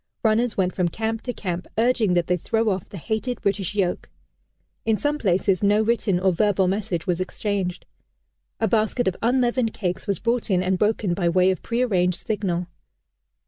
Runners went from camp to camp, urging that they throw off the hated British yoke. In some places no written or verbal message was exchanged. A basket of unleavened cakes was brought in and broken, by way of prearranged signal.